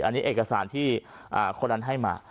อันนี้เอกสารที่คนนั้นให้มา